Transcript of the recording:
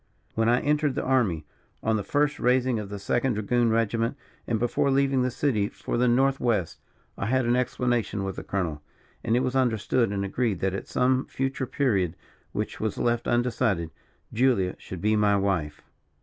When I entered the army, on the first raising of the second dragoon regiment, and before leaving the city for the north west, I had an explanation with the colonel; and it was understood, and agreed, that at some future period, which was left undecided, Julia should be my wife.